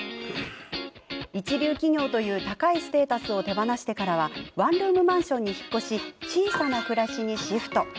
一流企業という高いステータスを手放してからはワンルームマンションに引っ越し小さな暮らしにシフト。